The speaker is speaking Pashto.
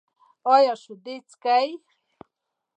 ایا شیدې څښئ؟